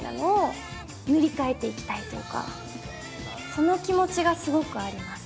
その気持ちがすごくあります。